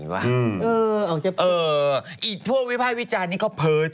แมนนิสัยเขาแบบว่าตรงแมนน